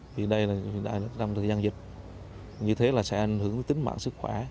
vì đây là trong thời gian dịch như thế là sẽ ảnh hưởng tính mạng sức khỏe